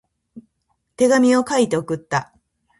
手紙を書いて送った。